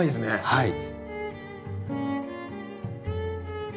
はい。